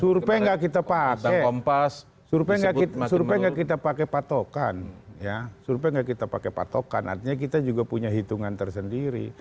survei nggak kita pakai survei nggak kita pakai patokan ya survei nggak kita pakai patokan artinya kita juga punya hitungan tersendiri